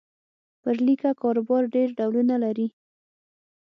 پر لیکه کاروبار ډېر ډولونه لري.